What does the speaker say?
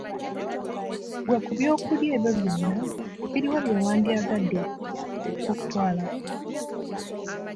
Ggwe ku by'okulya ebyo byonna biluwa byewandyagadde okulya oba okutwalako?